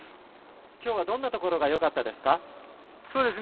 今日はどんなところがよかったですか。